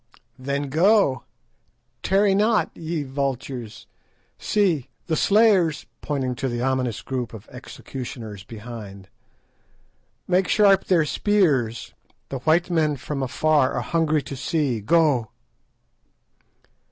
"Then go! Tarry not, ye vultures; see, the slayers"—pointing to the ominous group of executioners behind—"make sharp their spears; the white men from afar are hungry to see. _Go!